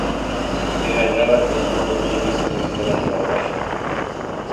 हे हैद्राबादपासून दोनशे वीस किलोमीटर अंतरावर आहे.